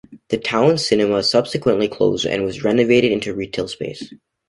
The Towne cinema subsequently closed and was renovated into retail space.